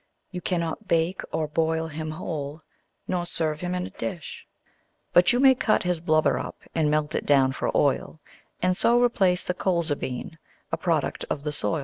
You cannot bake or boil him whole Nor serve him in a dish; But you may cut his blubber up And melt it down for oil. And so replace the colza bean (A product of the soil).